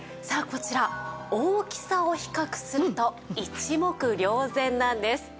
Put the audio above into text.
さあこちら大きさを比較すると一目瞭然なんです。